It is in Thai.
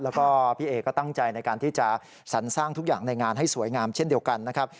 แล้วก็พี่เอก็ตั้งใจในการที่จะสรรสร้างทุกอย่างในงานให้สวยงามเช่นเดียวกันนะครับ